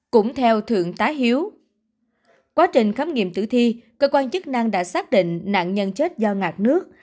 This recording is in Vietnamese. cũng theo thượng tá hiếu quá trình khám nghiệm tử thi cơ quan chức năng đã xác định nạn nhân chết do ngạt nước